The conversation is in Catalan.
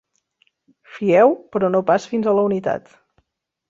Fieu però no pas fins a la unitat.